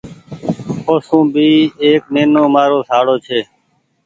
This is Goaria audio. اوسون ڀي ايڪ نينومآرو شاڙو ڇي۔